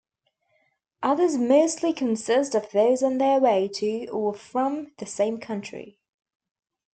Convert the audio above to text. Others mostly consist of those on their way to or from the same country.